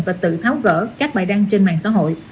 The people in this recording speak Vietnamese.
và tự tháo gỡ các bài đăng trên mạng xã hội